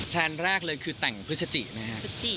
แลนแรกเลยคือแต่งพฤศจินะครับ